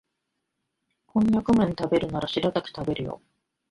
コンニャクめん食べるならシラタキ食べるよ